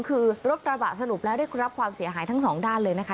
คือรถกระบะสรุปแล้วได้รับความเสียหายทั้งสองด้านเลยนะคะ